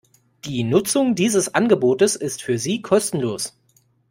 Die Nutzung dieses Angebotes ist für Sie kostenlos.